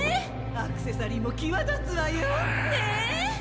アクセサリーも際立つわねえ。